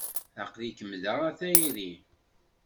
Aql-ikem da a tayri?